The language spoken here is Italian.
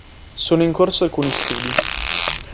Sono in corso alcuni studi.